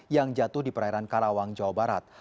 yang jatuh di perairan karawang jawa barat